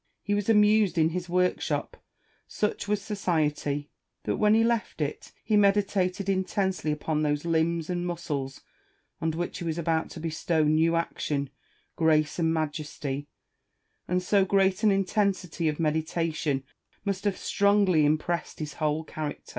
He was amused in his woi'kshop : such was society. But when he left it, he meditated intensely upon those limbs and muscles on which he was about to bestow new action, grace, and majesty ; and so great an intensity of meditation must have strongly impressed his whole character.